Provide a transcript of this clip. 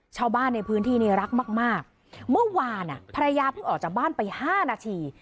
ชาวบ้านในพื้นที่นี่รักมากมากเมื่อวานภรรยาเพิ่งออกจากบ้านไปห้านาที